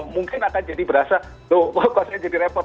mungkin akan jadi berasa loh kok saya jadi repot